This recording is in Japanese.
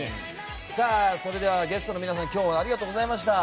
それではゲストの皆さん今日はありがとうございました。